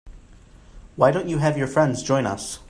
Why don't you have your friends join us?